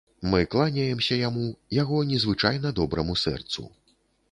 Мы кланяемся яму, яго незвычайна добраму сэрцу.